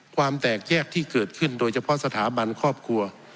ความแตกแยกที่เกิดขึ้นโดยเฉพาะสถาบันครอบครัว